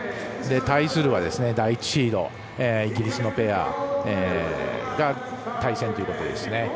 対するは第１シード、イギリスのペアと対戦ということですね。